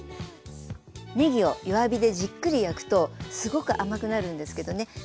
ねぎを弱火でじっくり焼くとすごく甘くなるんですけどね